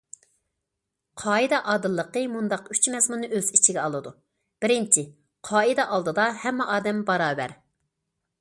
قائىدە ئادىللىقى مۇنداق ئۈچ مەزمۇننى ئۆز ئىچىگە ئالىدۇ: بىرىنچى، قائىدە ئالدىدا ھەممە ئادەم باراۋەر.